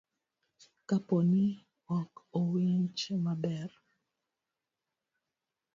kapo ni ok owinji maber.